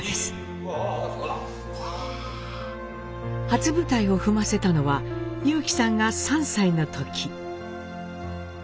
初舞台を踏ませたのは裕基さんが３歳の時。